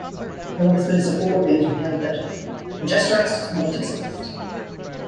Home Office Minister Paul Goggins replied that "Progesterex does not exist".